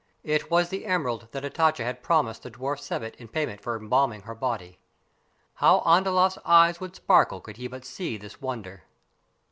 It was the emerald that Hatatcha had promised the dwarf Sebbet in payment for embalming her body. How Andalaft's eyes would sparkle could he but see this wonder!